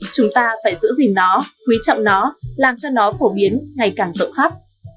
chúng ta phải giữ gìn nó quý trọng nó làm cho nó phổ biến ngày càng rộng khắp